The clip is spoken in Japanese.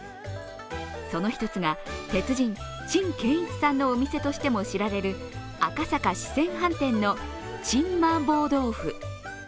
その１つが、鉄人、陳建一さんのお店としても知られる赤坂四川飯店の陳麻婆豆腐。